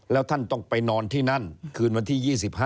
แล้วท่านต้องไปนอนที่นั่นคืนวันที่๒๕